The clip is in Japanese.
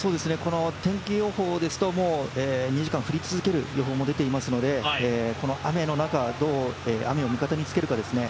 天気予報ですと、２時間降り続ける予報も出ていますのでこの雨の中、どう雨を味方につけるかですね。